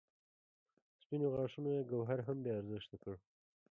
سپینو غاښونو یې ګوهر هم بې ارزښته کړ.